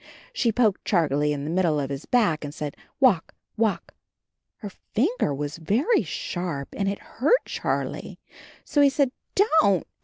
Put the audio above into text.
She poked Charlie in the middle of his back and said, "Walk, walk." Her finger was very sharp, and it hurt Charlie, so he said, "Don't.